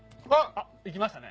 あっいきましたね